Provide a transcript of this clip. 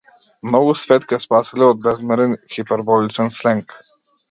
Многу свет ќе спаселе од безмерен хиперболичен сленг.